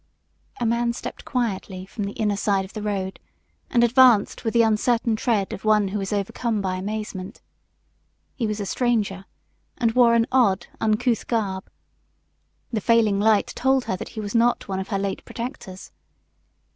A man stepped quietly from the inner side of the road and advanced with the uncertain tread of one who is overcome by amazement. He was a stranger, and wore an odd, uncouth garb. The failing light told her that he was not one of her late protectors.